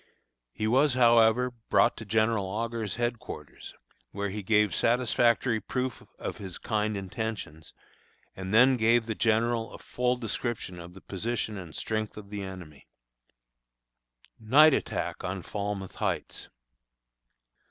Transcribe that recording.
He was, however, brought to General Augur's headquarters, where he gave satisfactory proof of his kind intentions, and then gave the General a full description of the position and strength of the enemy. NIGHT ATTACK ON FALMOUTH HEIGHTS.